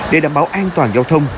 để đảm bảo an toàn giao thông